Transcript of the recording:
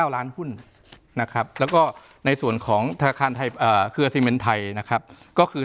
๗๙ล้านหุ้นแล้วก็ในส่วนของอาศิเบนไทยก็คือ๓๓